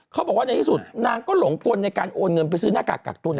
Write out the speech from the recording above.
เขาบอกว่าในที่สุดนางก็หลงกลในการโอนเงินไปซื้อหน้ากากกักตัว